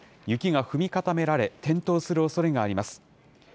雪が踏み固められ、転倒するおそれがあります。